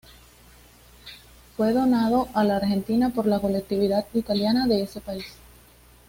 Fue donado a la Argentina por la colectividad italiana de ese país.